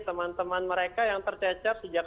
teman teman mereka yang tercecer sejak